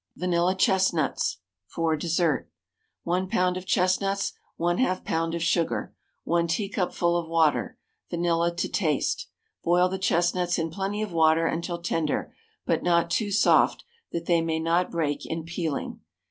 VANILLA CHESTNUTS (for Dessert). 1 lb. of chestnuts, 1/2 lb. of sugar, 1 teacupful of water, vanilla to taste. Boil the chestnuts in plenty of water until tender, but not too soft, that they may not break in peeling.